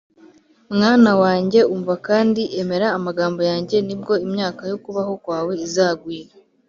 mwana wanjye, umva kandi emera amagambo yanjye, ni bwo imyaka yo kubaho kwawe izagwira